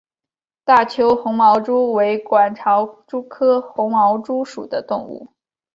大邱红螯蛛为管巢蛛科红螯蛛属的动物。